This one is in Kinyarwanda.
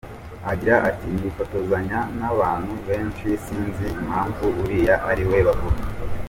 Agira ati “Nifotozanya n’abantu benshi sinzi impamvu uriya ariwe bavuga.